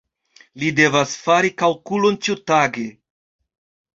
Li devas fari kalkulon ĉiutage.